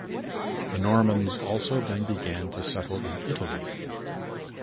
The Normans also then began to settle in Italy.